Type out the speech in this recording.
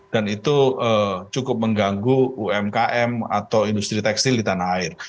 dan itu cukup mengganggu umkm atau industri tekstil di tanah air